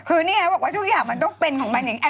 คือนี่เขาบอกว่าทุกอย่างมันต้องเป็นของมันอย่างนี้